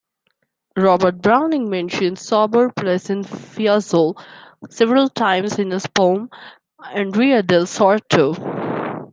Robert Browning mentions "sober pleasant Fiesole" several times in his poem "Andrea Del Sarto".